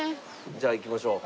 じゃあいきましょう。